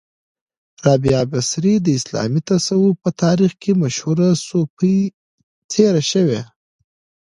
را بعه بصري د اسلامې تصوف په تاریخ کې مشهوره صوفۍ تیره شوی